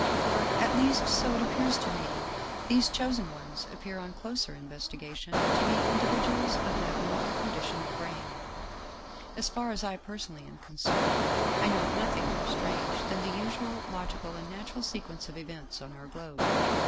For, at least so it appears to me, these chosen ones appear on closer in vestigation to be individuals of an abnormal condition of brain. As far as I personally am concerned, I know of nothing more strange than the usual logical and natural sequence of events on our globe.